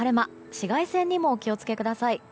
紫外線にもお気を付けください。